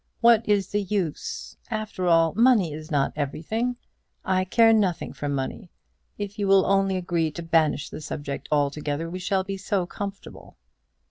What is the use? After all, money is not everything. I care nothing for money. If you will only agree to banish the subject altogether, we shall be so comfortable."